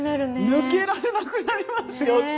抜けられなくなりますよっていうか。